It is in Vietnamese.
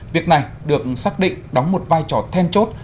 việc này được xác định đóng một vai trò then chốt